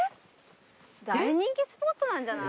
大人気スポットなんじゃない？